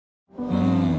うん。